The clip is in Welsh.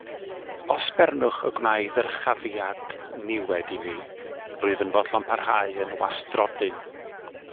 Os bernwch y gwnai ddyrchafiad niwed i mi, rwyf yn fodlon parhau yn wastrodyn.